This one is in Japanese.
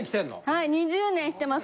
はい２０年着てます。